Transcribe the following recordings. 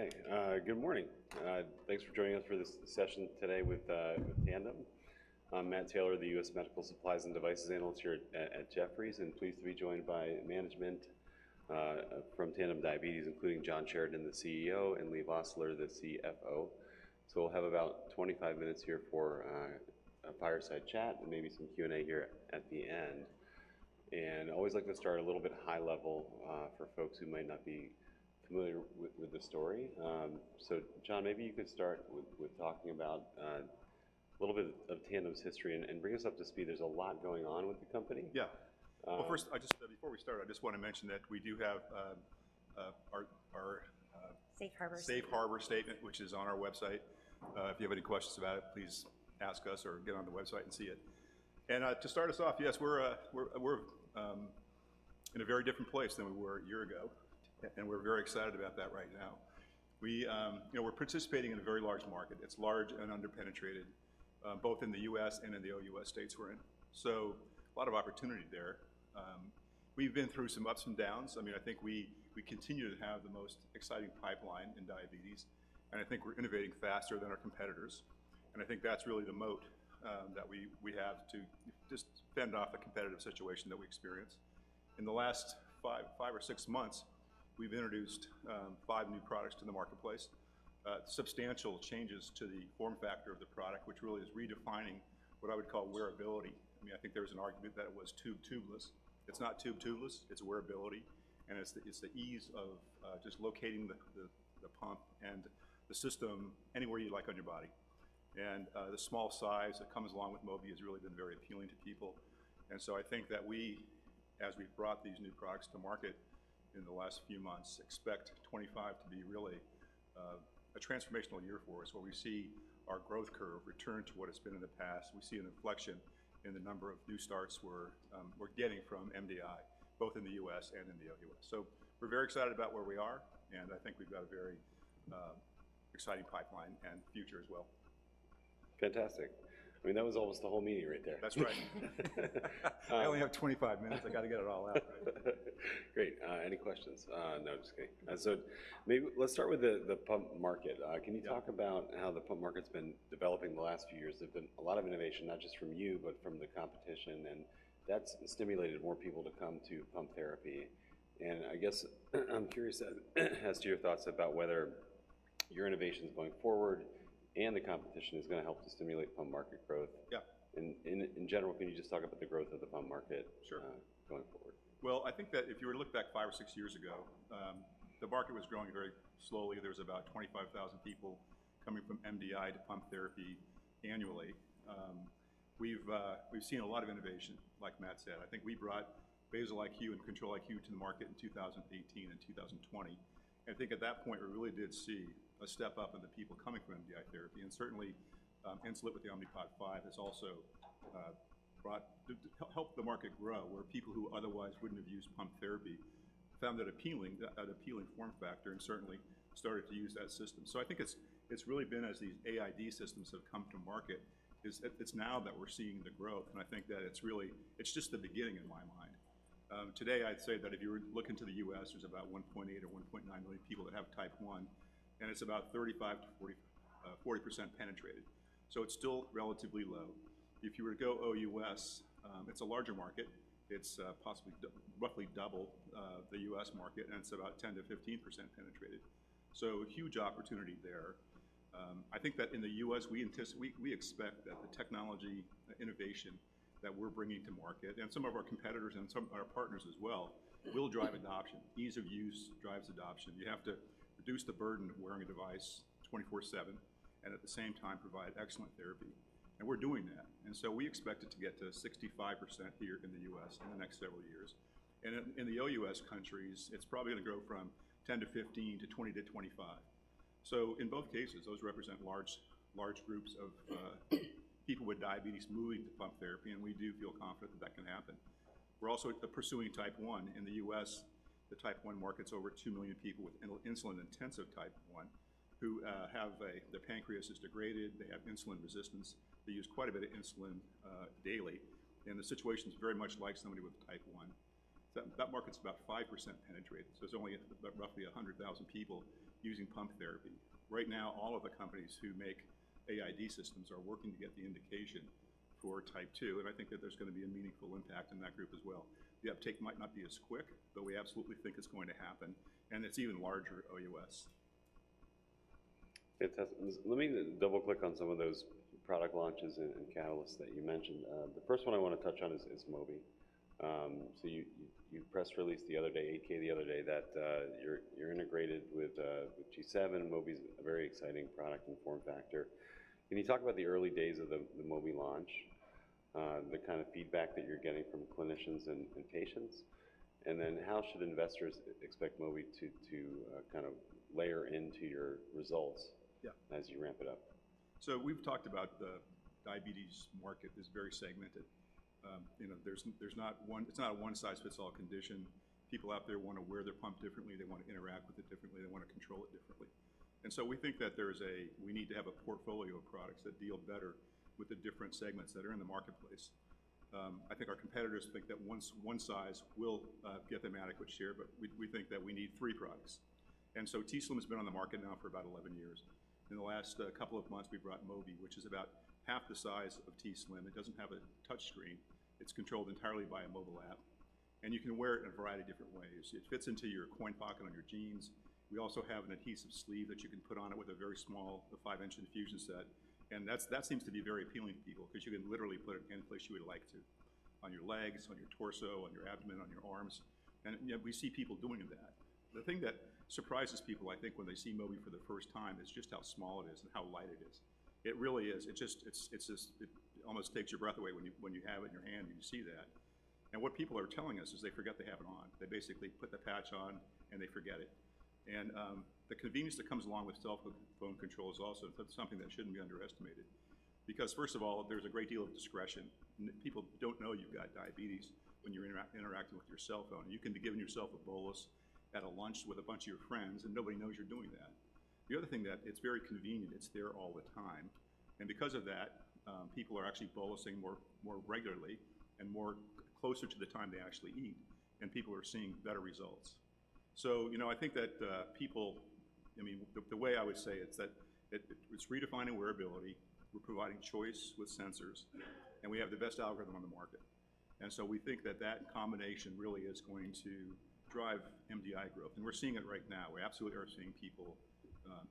Okay, good morning. Thanks for joining us for this session today with Tandem. I'm Matt Taylor, the US Medical Supplies and Devices analyst here at Jefferies, and pleased to be joined by management from Tandem Diabetes, including John Sheridan, the CEO, and Leigh Vosseller, the CFO. So we'll have about 25 minutes here for a fireside chat and maybe some Q&A here at the end. And always like to start a little bit high level for folks who might not be familiar with the story. So John, maybe you could start with talking about a little bit of Tandem's history and bring us up to speed. There's a lot going on with the company. Yeah. Well, first, before we start, I just want to mention that we do have our Safe harbor. Safe harbor statement, which is on our website. If you have any questions about it, please ask us or get on the website and see it. And, to start us off, yes, we're, we're, in a very different place than we were a year ago, and we're very excited about that right now. We, you know, we're participating in a very large market. It's large and underpenetrated, both in the U.S. and in the OUS states we're in. So a lot of opportunity there. We've been through some ups and downs. I mean, I think we, we continue to have the most exciting pipeline in diabetes, and I think we're innovating faster than our competitors. And I think that's really the moat, that we, we have to just fend off the competitive situation that we experience. In the last five, five or six months, we've introduced five new products to the marketplace. Substantial changes to the form factor of the product, which really is redefining what I would call wearability. I mean, I think there was an argument that it was tube tubeless. It's not tube tubeless, it's wearability, and it's the ease of just locating the pump and the system anywhere you like on your body. And the small size that comes along with Mobi has really been very appealing to people. And so I think that we, as we've brought these new products to market in the last few months, expect 2025 to be really a transformational year for us, where we see our growth curve return to what it's been in the past. We see an inflection in the number of new starts we're getting from MDI, both in the U.S. and in the OUS. So we're very excited about where we are, and I think we've got a very exciting pipeline and future as well. Fantastic. I mean, that was almost the whole meeting right there. That's right. I only have 25 minutes. I got to get it all out right. Great. Any questions? No, just kidding. So maybe let's start with the pump market. Can you talk about how the pump market's been developing the last few years? There's been a lot of innovation, not just from you, but from the competition, and that's stimulated more people to come to pump therapy. And I guess, I'm curious as to your thoughts about whether your innovation is going forward and the competition is going to help to stimulate pump market growth? In general, can you just talk about the growth of the pump market going forward? Well, I think that if you were to look back 5 or 6 years ago, the market was growing very slowly. There was about 25,000 people coming from MDI to pump therapy annually. We've seen a lot of innovation, like Matt said. I think we brought Basal-IQ and Control-IQ to the market in 2018 and 2020. I think at that point, we really did see a step up in the people coming from MDI therapy, and certainly, Insulet with the Omnipod 5 has also helped the market grow, where people who otherwise wouldn't have used pump therapy found that appealing, an appealing form factor, and certainly started to use that system. So I think it's, it's really been as these AID systems have come to market, it's now that we're seeing the growth, and I think that it's really... it's just the beginning in my mind. Today, I'd say that if you were to look into the U.S., there's about 1.8 or 1.9 million people that have Type 1, and it's about 35%-40% penetrated. So it's still relatively low. If you were to go OUS, it's a larger market. It's, possibly roughly double, the U.S. market, and it's about 10%-15% penetrated. So a huge opportunity there. I think that in the U.S., we expect that the technology innovation that we're bringing to market, and some of our competitors and some of our partners as well, will drive adoption. Ease of use drives adoption. You have to reduce the burden of wearing a device 24/7, and at the same time, provide excellent therapy, and we're doing that. So we expect it to get to 65% here in the U.S. in the next several years. In the OUS countries, it's probably going to grow from 10% to 15% to 20% to 25%. So in both cases, those represent large, large groups of people with diabetes moving to pump therapy, and we do feel confident that that can happen. We're also pursuing Type 1. In the U.S., the Type 1 market's over 2 million people with insulin-intensive Type 1, who have their pancreas is degraded. They have insulin resistance. They use quite a bit of insulin daily, and the situation is very much like somebody with Type 1. That market's about 5% penetrated, so it's only roughly 100,000 people using pump therapy. Right now, all of the companies who make AID systems are working to get the indication for Type 2, and I think that there's going to be a meaningful impact in that group as well. The uptake might not be as quick, but we absolutely think it's going to happen, and it's even larger OUS. Fantastic. Let me double-click on some of those product launches and catalysts that you mentioned. The first one I want to touch on is Mobi. So you press released the other day that you're integrated with G7. Mobi is a very exciting product and form factor. Can you talk about the early days of the Mobi launch, the kind of feedback that you're getting from clinicians and patients? And then how should investors expect Mobi to kind of layer into your results as you ramp it up? So we've talked about the diabetes market is very segmented. You know, there's not one—it's not a one-size-fits-all condition. People out there want to wear their pump differently, they want to interact with it differently, they want to control it differently. And so we think that there's a—we need to have a portfolio of products that deal better with the different segments that are in the marketplace. I think our competitors think that one size will get them adequate share, but we, we think that we need three products. And so t:slim has been on the market now for about 11 years. In the last couple of months, we brought Mobi, which is about half the size of t:slim. It doesn't have a touchscreen. It's controlled entirely by a mobile app, and you can wear it in a variety of different ways. It fits into your coin pocket on your jeans. We also have an adhesive sleeve that you can put on it with a very small, a 5-inch infusion set, and that seems to be very appealing to people because you can literally put it any place you would like to, on your legs, on your torso, on your abdomen, on your arms, and, you know, we see people doing that. The thing that surprises people, I think, when they see Mobi for the first time, is just how small it is and how light it is. It really is. It's just, it almost takes your breath away when you, when you have it in your hand and you see that. And what people are telling us is they forget they have it on. They basically put the patch on, and they forget it. The convenience that comes along with cell phone control is also, that's something that shouldn't be underestimated. Because, first of all, there's a great deal of discretion. People don't know you've got diabetes when you're interacting with your cell phone. You can be giving yourself a bolus at a lunch with a bunch of your friends, and nobody knows you're doing that. The other thing that it's very convenient, it's there all the time, and because of that, people are actually bolusing more, more regularly and more closer to the time they actually eat, and people are seeing better results. So, you know, I think that, people... I mean, the, the way I would say it's that it, it's redefining wearability, we're providing choice with sensors, and we have the best algorithm on the market. And so we think that that combination really is going to drive MDI growth, and we're seeing it right now. We absolutely are seeing people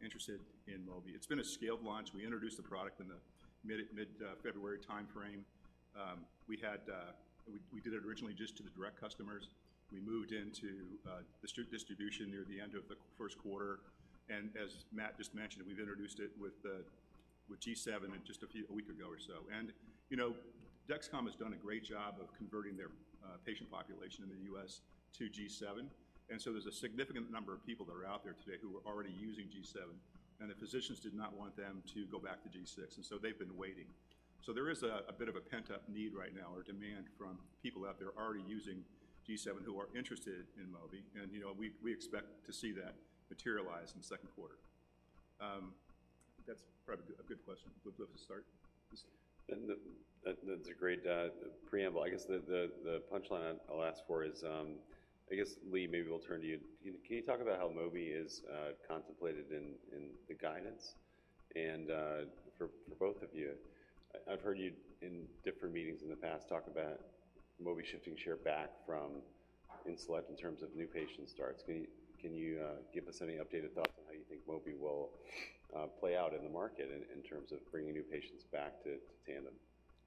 interested in Mobi. It's been a scaled launch. We introduced the product in the mid-February timeframe. We did it originally just to the direct customers. We moved into DME distribution near the end of the first quarter, and as Matt just mentioned, we've introduced it with the G7 just a few weeks ago or so. And, you know, Dexcom has done a great job of converting their patient population in the U.S. to G7, and so there's a significant number of people that are out there today who are already using G7, and the physicians did not want them to go back to G6, and so they've been waiting. So there is a bit of a pent-up need right now or demand from people out there already using G7 who are interested in Mobi, and, you know, we expect to see that materialize in the second quarter. That's probably a good question to start. And that's a great preamble. I guess the punchline I'll ask for is, I guess, Leigh, maybe we'll turn to you. Can you talk about how Mobi is contemplated in the guidance? And for both of you, I've heard you in different meetings in the past talk about Mobi shifting share back from Insulet in terms of new patient starts. Can you give us any updated thoughts on how you think Mobi will play out in the market in terms of bringing new patients back to Tandem?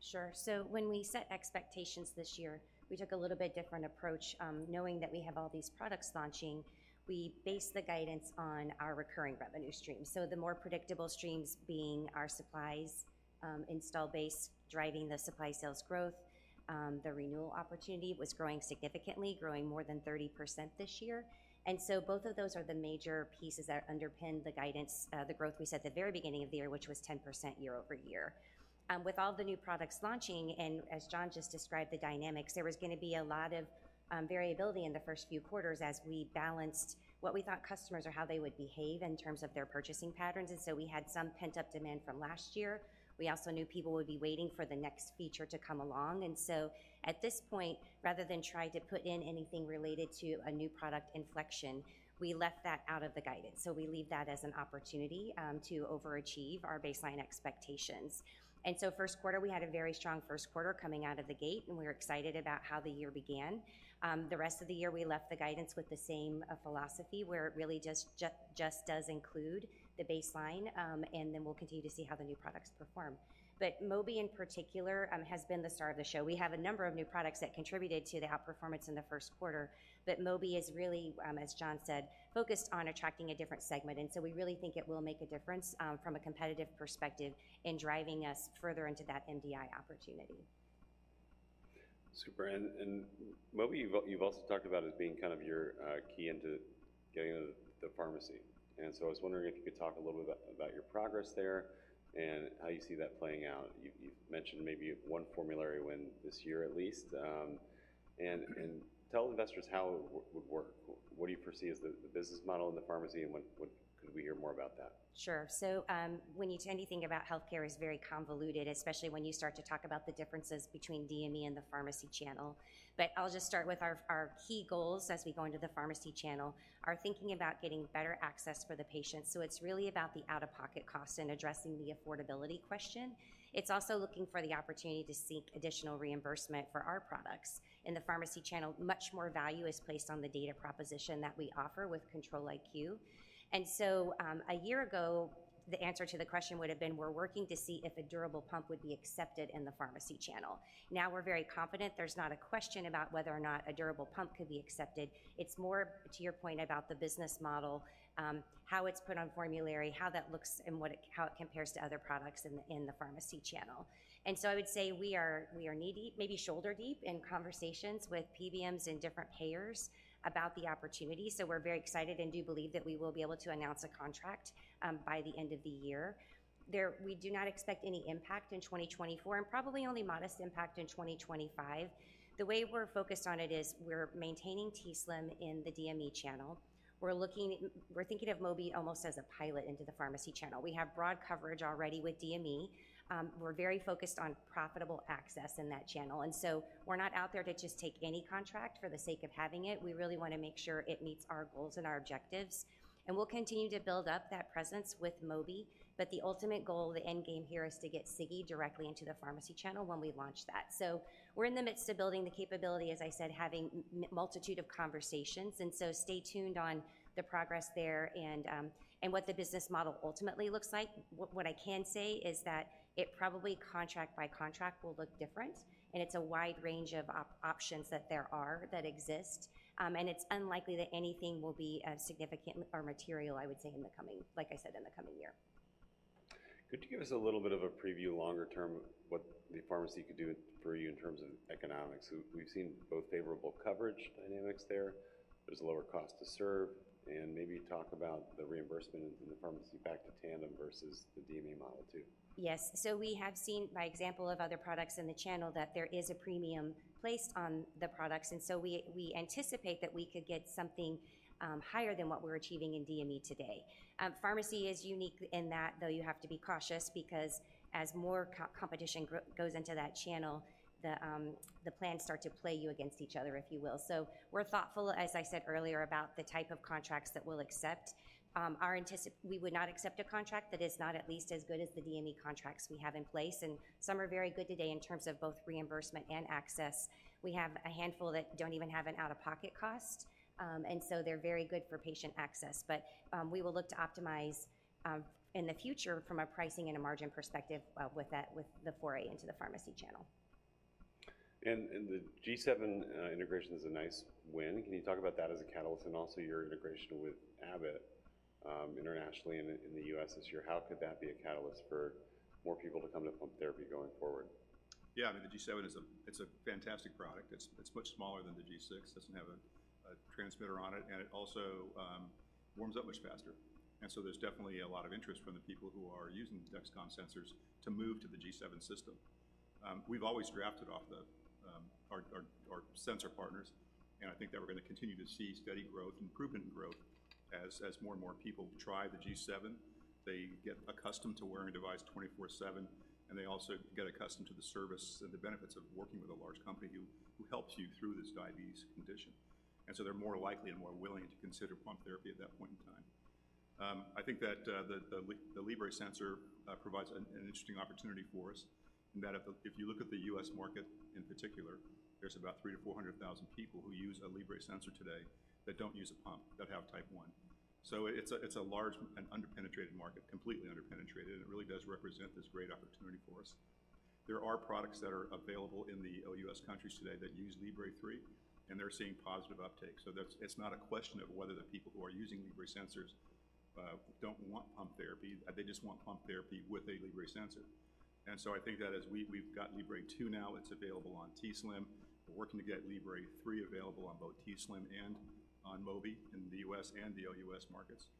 Sure. So when we set expectations this year, we took a little bit different approach. Knowing that we have all these products launching, we based the guidance on our recurring revenue stream. So the more predictable streams being our supplies, install base, driving the supply sales growth, the renewal opportunity was growing significantly, growing more than 30% this year. And so both of those are the major pieces that underpinned the guidance, the growth we set at the very beginning of the year, which was 10% year-over-year. With all the new products launching, and as John just described the dynamics, there was gonna be a lot of variability in the first few quarters as we balanced what we thought customers or how they would behave in terms of their purchasing patterns, and so we had some pent-up demand from last year. We also knew people would be waiting for the next feature to come along. And so at this point, rather than try to put in anything related to a new product inflection, we left that out of the guidance. So we leave that as an opportunity to overachieve our baseline expectations. And so first quarter, we had a very strong first quarter coming out of the gate, and we were excited about how the year began. The rest of the year, we left the guidance with the same philosophy, where it really just does include the baseline, and then we'll continue to see how the new products perform. But Mobi, in particular, has been the star of the show. We have a number of new products that contributed to the outperformance in the first quarter, but Mobi is really, as John said, focused on attracting a different segment. And so we really think it will make a difference, from a competitive perspective in driving us further into that MDI opportunity. Super. And Mobi, you've also talked about as being kind of your key into getting into the pharmacy. And so I was wondering if you could talk a little bit about your progress there and how you see that playing out. You've mentioned maybe one formulary win this year at least, and tell investors how it would work. What do you foresee as the business model in the pharmacy, and what... Could we hear more about that? Sure. So, when anything about healthcare is very convoluted, especially when you start to talk about the differences between DME and the pharmacy channel. But I'll just start with our key goals as we go into the pharmacy channel, are thinking about getting better access for the patient. So it's really about the out-of-pocket cost and addressing the affordability question. It's also looking for the opportunity to seek additional reimbursement for our products. In the pharmacy channel, much more value is placed on the data proposition that we offer with Control-IQ. And so, a year ago, the answer to the question would have been, we're working to see if a durable pump would be accepted in the pharmacy channel. Now, we're very confident there's not a question about whether or not a durable pump could be accepted. It's more to your point about the business model, how it's put on formulary, how that looks, and what it-- how it compares to other products in the, in the pharmacy channel. And so I would say we are knee-deep, maybe shoulder-deep, in conversations with PBMs and different payers about the opportunity. So we're very excited and do believe that we will be able to announce a contract by the end of the year. There, we do not expect any impact in 2024 and probably only modest impact in 2025. The way we're focused on it is we're maintaining t:slim in the DME channel. We're looking-- we're thinking of Mobi almost as a pilot into the pharmacy channel. We have broad coverage already with DME. We're very focused on profitable access in that channel, and so we're not out there to just take any contract for the sake of having it. We really wanna make sure it meets our goals and our objectives, and we'll continue to build up that presence with Mobi. But the ultimate goal, the end game here, is to get Sigi directly into the pharmacy channel when we launch that. So we're in the midst of building the capability, as I said, having multitude of conversations, and so stay tuned on the progress there and what the business model ultimately looks like. What I can say is that it probably, contract by contract, will look different, and it's a wide range of options that there are, that exist, and it's unlikely that anything will be significant or material, I would say, in the coming—like I said, in the coming year. Could you give us a little bit of a preview, longer term, of what the pharmacy could do for you in terms of economics? We've seen both favorable coverage dynamics there. There's a lower cost to serve, and maybe talk about the reimbursement in the pharmacy back to Tandem versus the DME model, too. Yes. So we have seen, by example of other products in the channel, that there is a premium placed on the products, and so we anticipate that we could get something higher than what we're achieving in DME today. Pharmacy is unique in that, though you have to be cautious because as more competition goes into that channel, the plans start to play you against each other, if you will. So we're thoughtful, as I said earlier, about the type of contracts that we'll accept. We would not accept a contract that is not at least as good as the DME contracts we have in place, and some are very good today in terms of both reimbursement and access. We have a handful that don't even have an out-of-pocket cost, and so they're very good for patient access. But, we will look to optimize in the future from a pricing and a margin perspective, with the foray into the pharmacy channel. And the G7 integration is a nice win. Can you talk about that as a catalyst and also your integration with Abbott, internationally and in the U.S. this year? How could that be a catalyst for more people to come to pump therapy going forward? Yeah, I mean, the G7 is a, it's a fantastic product. It's, it's much smaller than the G6, doesn't have a, a transmitter on it, and it also warms up much faster. And so there's definitely a lot of interest from the people who are using the Dexcom sensors to move to the G7 system. We've always drafted off the our sensor partners, and I think that we're going to continue to see steady growth, improvement and growth, as more and more people try the G7. They get accustomed to wearing a device 24/7, and they also get accustomed to the service and the benefits of working with a large company who helps you through this diabetes condition. And so they're more likely and more willing to consider pump therapy at that point in time. I think that the Libre sensor provides an interesting opportunity for us, in that if you look at the U.S. market in particular, there's about 300,000-400,000 people who use a Libre sensor today that don't use a pump, that have Type 1. So it's a large and underpenetrated market, completely underpenetrated, and it really does represent this great opportunity for us. There are products that are available in the OUS countries today that use Libre 3, and they're seeing positive uptake, so that's, it's not a question of whether the people who are using Libre sensors don't want pump therapy, they just want pump therapy with a Libre sensor. And so I think that as we've got Libre 2 now, it's available on t:slim. We're working to get Libre 3 available on both t:slim and on Mobi in the U.S. and the OUS markets.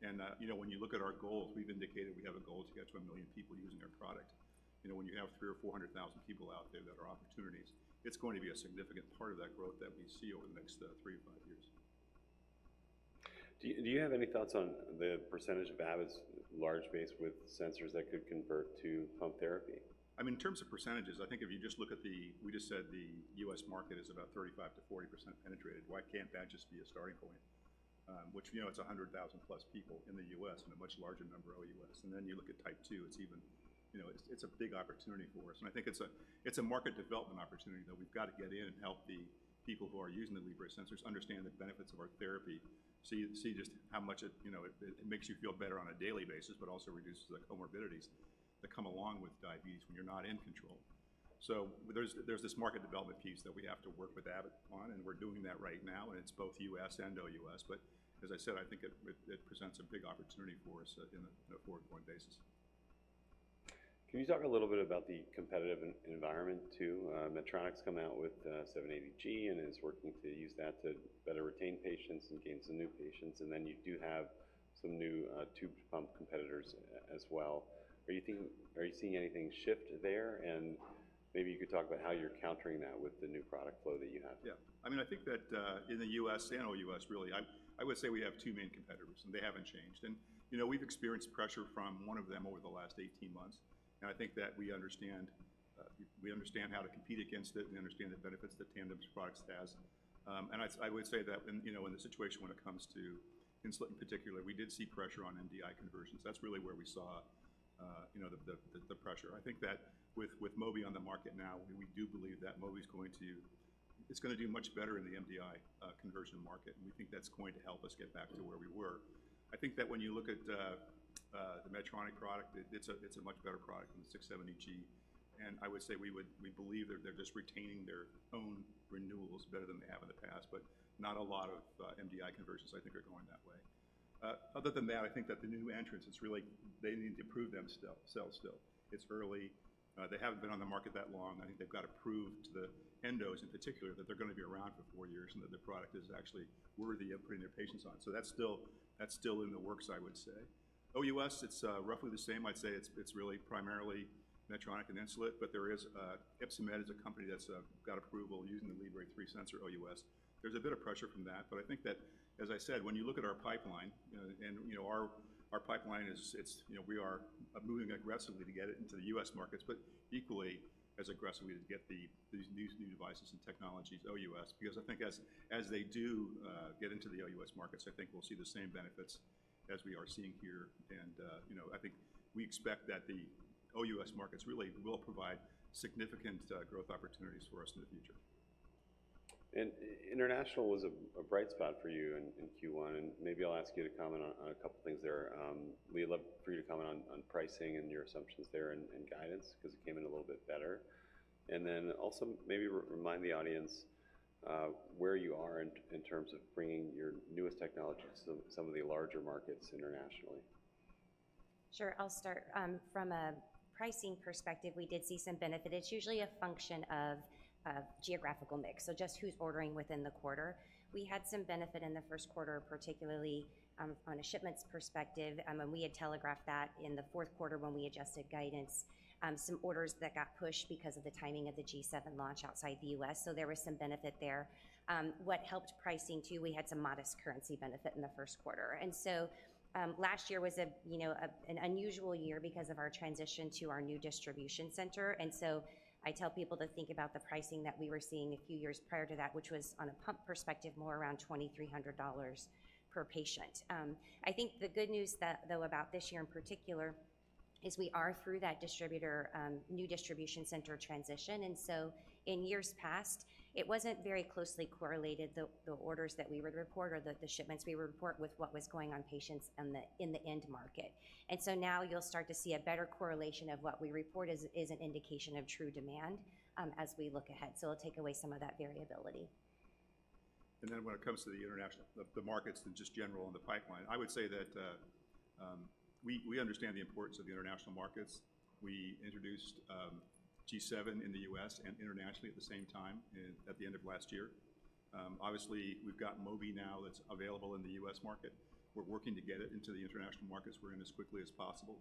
You know, when you look at our goals, we've indicated we have a goal to get to 1 million people using our product. You know, when you have 300,000-400,000 people out there that are opportunities, it's going to be a significant part of that growth that we see over the next 3-5 years. Do you have any thoughts on the percentage of Abbott's large base with sensors that could convert to pump therapy? I mean, in terms of percentages, I think if you just look at the... We just said the U.S. market is about 35%-40% penetrated. Why can't that just be a starting point? Which, you know, it's 100,000+ people in the U.S. and a much larger number, OUS. And then you look at Type 2, it's even-- you know, it's, it's a big opportunity for us. And I think it's a, it's a market development opportunity that we've got to get in and help the people who are using the Libre sensors understand the benefits of our therapy. So you see just how much it, you know, it, it makes you feel better on a daily basis, but also reduces the comorbidities that come along with diabetes when you're not in control. So there's this market development piece that we have to work with Abbott on, and we're doing that right now, and it's both U.S. and OUS. But as I said, I think it presents a big opportunity for us in the forward going basis. Can you talk a little bit about the competitive environment, too? Medtronic's come out with 780G and is working to use that to better retain patients and gain some new patients, and then you do have some new tube pump competitors as well. Are you seeing anything shift there? And maybe you could talk about how you're countering that with the new product flow that you have. Yeah. I mean, I think that, in the U.S. and OUS, really, I, I would say we have 2 main competitors, and they haven't changed. And, you know, we've experienced pressure from one of them over the last 18 months, and I think that we understand, we understand how to compete against it, and we understand the benefits that Tandem's products has. And I, I would say that, in, you know, in the situation when it comes to Insulet in particular, we did see pressure on MDI conversions. That's really where we saw, you know, the pressure. I think that with Mobi on the market now, we do believe that Mobi is going to—it's gonna do much better in the MDI conversion market, and we think that's going to help us get back to where we were. I think that when you look at the Medtronic product, it's a much better product than the 670G. And I would say we believe they're just retaining their own renewals better than they have in the past, but not a lot of MDI conversions, I think, are going that way. Other than that, I think that the new entrants, it's really they need to prove themselves still. It's early. They haven't been on the market that long. I think they've got to prove to the endos in particular, that they're going to be around for four years and that their product is actually worthy of putting their patients on. So that's still, that's still in the works, I would say. OUS, it's roughly the same. I'd say it's, it's really primarily Medtronic and Insulet, but there is, Ypsomed is a company that's, got approval using the Libre 3 sensor OUS. There's a bit of pressure from that, but I think that, as I said, when you look at our pipeline, and, you know, our, our pipeline is, it's, you know, we are moving aggressively to get it into the U.S. markets, but equally as aggressively to get the, these new devices and technologies OUS. Because I think as, as they do, get into the OUS markets, I think we'll see the same benefits as we are seeing here, and, you know, I think we expect that the OUS markets really will provide significant, growth opportunities for us in the future. And international was a bright spot for you in Q1, and maybe I'll ask you to comment on a couple things there. We'd love for you to comment on pricing and your assumptions there and guidance, because it came in a little bit better. And then also maybe remind the audience where you are in terms of bringing your newest technologies to some of the larger markets internationally. Sure, I'll start. From a pricing perspective, we did see some benefit. It's usually a function of geographical mix, so just who's ordering within the quarter. We had some benefit in the first quarter, particularly, from a shipments perspective, and we had telegraphed that in the fourth quarter when we adjusted guidance. Some orders that got pushed because of the timing of the G7 launch outside the U.S., so there was some benefit there. What helped pricing too, we had some modest currency benefit in the first quarter. And so, last year was a, you know, an unusual year because of our transition to our new distribution center. And so I tell people to think about the pricing that we were seeing a few years prior to that, which was, on a pump perspective, more around $2,300 per patient. I think the good news, though, about this year in particular is we are through that distributor new distribution center transition. And so in years past, it wasn't very closely correlated, the orders that we would report or the shipments we would report with what was going on patients in the end market. And so now you'll start to see a better correlation of what we report as an indication of true demand, as we look ahead. So it'll take away some of that variability. When it comes to the international markets, just general and the pipeline, I would say that we understand the importance of the international markets. We introduced G7 in the U.S. and internationally at the same time at the end of last year. Obviously, we've got Mobi now that's available in the U.S. market. We're working to get it into the international markets we're in as quickly as possible.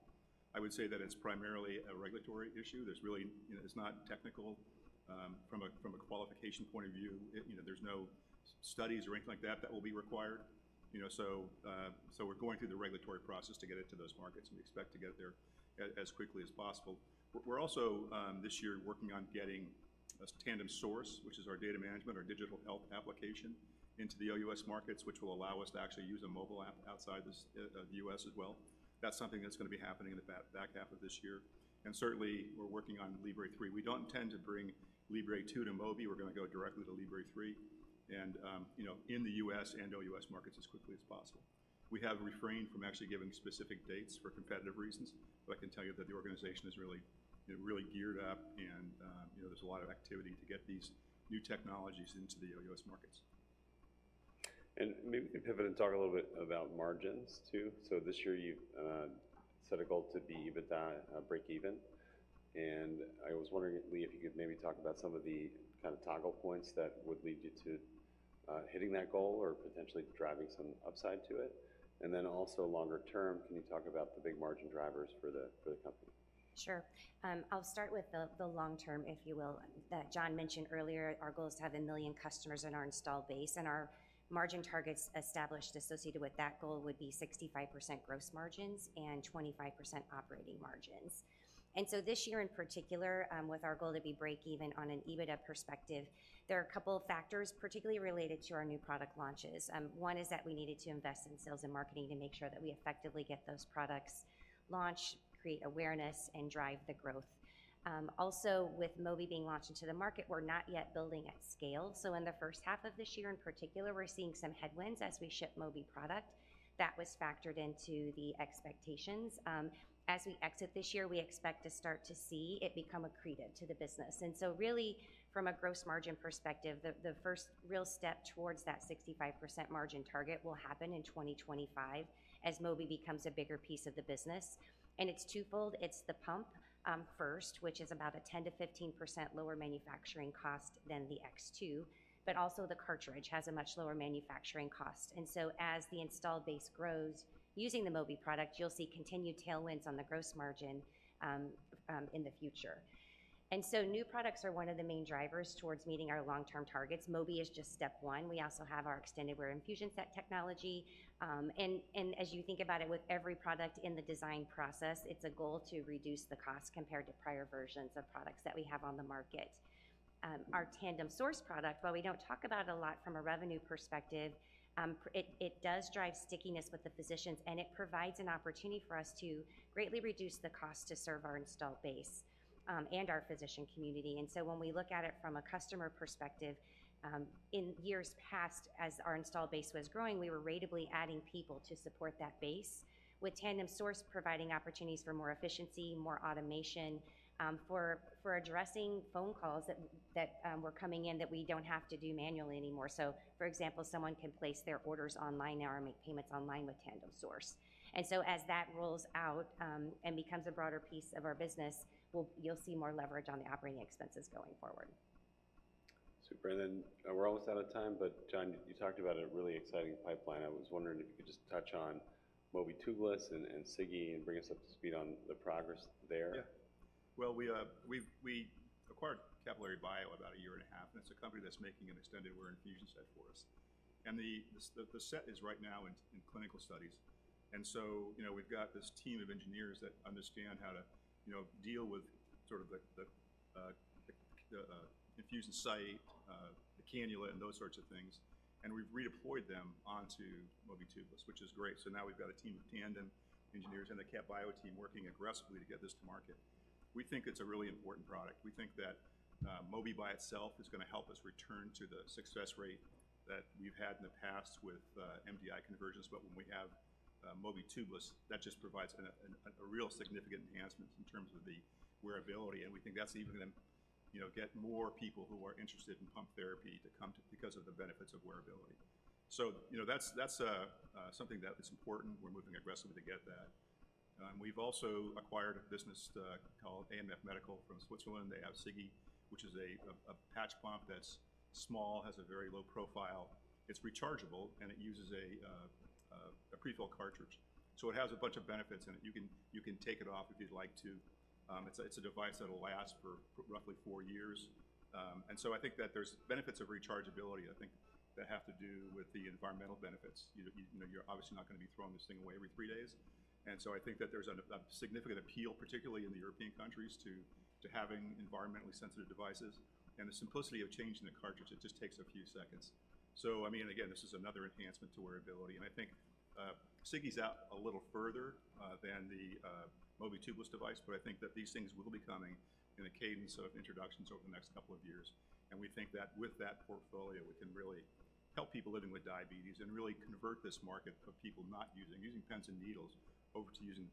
I would say that it's primarily a regulatory issue. There's really, you know, it's not technical from a qualification point of view. You know, there's no studies or anything like that that will be required. You know, so we're going through the regulatory process to get it to those markets, and we expect to get it there as quickly as possible. We're also this year working on getting a Tandem Source, which is our data management, our digital health application, into the OUS markets, which will allow us to actually use a mobile app outside this, the U.S. as well. That's something that's going to be happening in the back half of this year, and certainly, we're working on Libre 3. We don't tend to bring Libre 2 to Mobi. We're going to go directly to Libre 3, and you know, in the U.S. and OUS markets as quickly as possible. We have refrained from actually giving specific dates for competitive reasons, but I can tell you that the organization is really, really geared up, and you know, there's a lot of activity to get these new technologies into the OUS markets. Maybe we can pivot and talk a little bit about margins, too. So this year you've set a goal to be EBITDA breakeven, and I was wondering, Leigh, if you could maybe talk about some of the kind of toggle points that would lead you to hitting that goal or potentially driving some upside to it. And then also longer term, can you talk about the big margin drivers for the, for the company? Sure. I'll start with the long term, if you will. That John mentioned earlier, our goal is to have 1 million customers in our installed base, and our margin targets established associated with that goal would be 65% gross margins and 25% operating margins. And so this year in particular, with our goal to be breakeven on an EBITDA perspective, there are a couple of factors, particularly related to our new product launches. One is that we needed to invest in sales and marketing to make sure that we effectively get those products launched, create awareness, and drive the growth. Also, with Mobi being launched into the market, we're not yet building at scale, so in the first half of this year in particular, we're seeing some headwinds as we ship Mobi product. That was factored into the expectations. As we exit this year, we expect to start to see it become accretive to the business. Really, from a gross margin perspective, the first real step towards that 65% margin target will happen in 2025 as Mobi becomes a bigger piece of the business, and it's twofold. It's the pump first, which is about a 10%-15% lower manufacturing cost than the X2, but also the cartridge has a much lower manufacturing cost. As the installed base grows using the Mobi product, you'll see continued tailwinds on the gross margin in the future. New products are one of the main drivers towards meeting our long-term targets. Mobi is just step one. We also have our extended wear infusion set technology. And as you think about it, with every product in the design process, it's a goal to reduce the cost compared to prior versions of products that we have on the market. Our Tandem Source product, while we don't talk about it a lot from a revenue perspective, it does drive stickiness with the physicians, and it provides an opportunity for us to greatly reduce the cost to serve our installed base, and our physician community. And so when we look at it from a customer perspective, in years past, as our installed base was growing, we were ratably adding people to support that base. With Tandem Source providing opportunities for more efficiency, more automation, for addressing phone calls that were coming in that we don't have to do manually anymore. So, for example, someone can place their orders online now or make payments online with Tandem Source. And so as that rolls out, and becomes a broader piece of our business, we'll—you'll see more leverage on the operating expenses going forward. Super, and then, we're almost out of time, but John, you talked about a really exciting pipeline. I was wondering if you could just touch on Mobi Tubeless and, and Sigi, and bring us up to speed on the progress there? Yeah. Well, we acquired Cap Bio about a year and a half, and it's a company that's making an extended wear infusion set for us. And the set is right now in clinical studies, and so, you know, we've got this team of engineers that understand how to, you know, deal with sort of the infusion site, the cannula, and those sorts of things. And we've redeployed them onto Mobi Tubeless, which is great. So now we've got a team of Tandem engineers and the Cap Bio team working aggressively to get this to market. We think it's a really important product. We think that Mobi by itself is going to help us return to the success rate that we've had in the past with MDI conversions. But when we have Mobi Tubeless, that just provides a real significant enhancement in terms of the wearability, and we think that's even going to, you know, get more people who are interested in pump therapy to come to because of the benefits of wearability. So, you know, that's something that is important. We're moving aggressively to get that. We've also acquired a business called AMF Medical from Switzerland. They have Sigi, which is a patch pump that's small, has a very low profile. It's rechargeable, and it uses a prefill cartridge. So it has a bunch of benefits, and you can take it off if you'd like to. It's a device that will last for roughly four years. And so I think that there's benefits of rechargeability, I think, that have to do with the environmental benefits. You know, you're obviously not going to be throwing this thing away every three days. And so I think that there's a significant appeal, particularly in the European countries, to having environmentally sensitive devices. And the simplicity of changing the cartridge, it just takes a few seconds. So I mean, again, this is another enhancement to wearability, and I think Sigi's out a little further than the Mobi Tubeless device, but I think that these things will be coming in a cadence of introductions over the next couple of years. We think that with that portfolio, we can really help people living with diabetes and really convert this market of people not using, using pens and needles over to using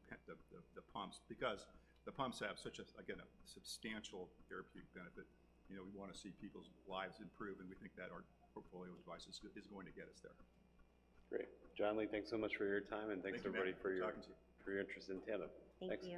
pumps because the pumps have such a, again, a substantial therapeutic benefit. You know, we want to see people's lives improve, and we think that our portfolio of devices is going to get us there. Great. John, Leigh, thanks so much for your time, and thanks, everybody. Thank you, Matt, for talking to me. for your interest in Tandem. Thank you.